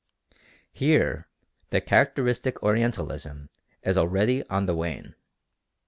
Here the characteristic Orientalism is already on the wane.